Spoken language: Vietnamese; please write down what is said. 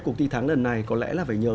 cuộc thi tháng lần này có lẽ là phải nhờ